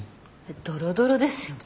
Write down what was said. ドロドロですよ。